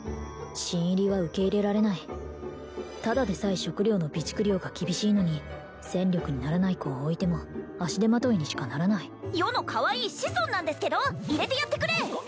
新入りは受け入れられないただでさえ食料の備蓄量が厳しいのに戦力にならない子を置いても足手まといにしかならない余のかわいい子孫なんですけど入れてやってくれ！